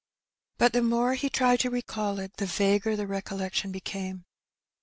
But the more he tried to recall it, the vaguer the Recollection became.